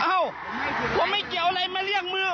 เอ้าผมไม่เกี่ยวอะไรมาเรียกมึง